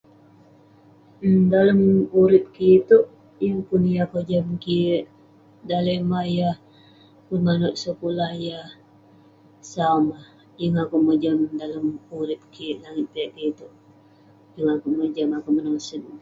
Dalem urip kik iteuk, yeng pun yah kojam kik, daleh mah yah pun manouk sekulah yah sau mah. Yeng akouk mojam dalam urip kik langit piak kik iteuk. Yeng akouk mojam akouk. [unintelligible]